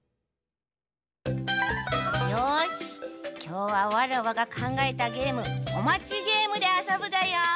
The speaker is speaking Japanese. よしきょうはわらわがかんがえたゲーム「こまちゲーム」であそぶぞよ。